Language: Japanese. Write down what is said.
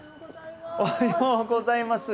おはようございます。